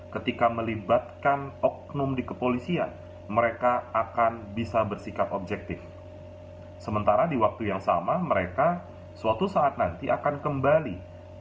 ketika melibatkan oknoprofi